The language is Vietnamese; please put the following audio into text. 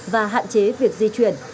và hạn chế việc di chuyển